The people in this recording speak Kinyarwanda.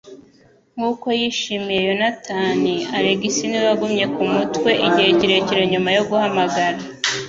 Nkuko yishimiye Yonatani, Alex niwe wagumye kumutwe igihe kirekire nyuma yo guhamagara.